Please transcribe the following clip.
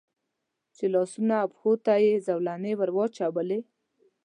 چې لاسونو او پښو ته یې زولنې را واچولې.